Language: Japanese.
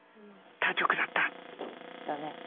他局だった！だね。